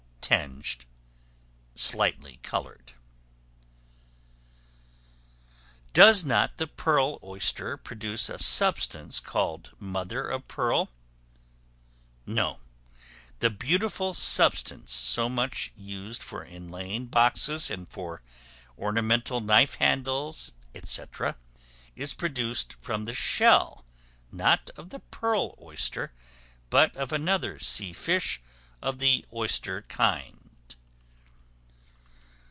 Tinged, slightly colored. Does not the Pearl Oyster produce a substance called Mother of Pearl? No; the beautiful substance so much used for inlaying boxes, and for ornamental knife handles, &c., is produced from the shell, not of the pearl oyster, but of another sea fish of the oyster kind.